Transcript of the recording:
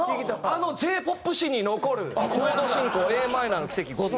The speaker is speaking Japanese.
あのＪ−ＰＯＰ史に残るコード進行Ａｍの奇跡ご存じ。